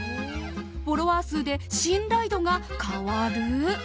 フォロワー数で信頼度が変わる？